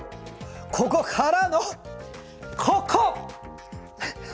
ここからのここ！